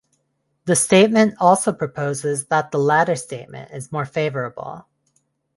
The statement also proposes that the latter statement is more favorable.